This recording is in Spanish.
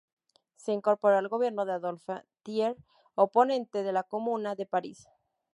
Se incorporó al gobierno de Adolphe Thiers oponente de la Comuna de París.